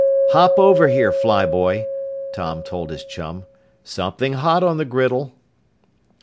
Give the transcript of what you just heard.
"Hop over here, fly boy," Tom told his chum. "Something hot on the griddle!"